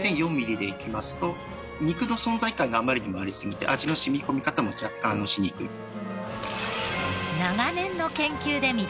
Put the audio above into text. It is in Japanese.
１．４ミリでいきますと肉の存在感があまりにもありすぎて味の染み込み方も若干しにくい。